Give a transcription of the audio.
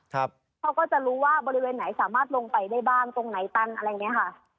เขาก็จะรู้ว่าบริเวณไหนสามารถลงไปได้บ้างตรงไหนตันอะไรอย่างนี้ค่ะ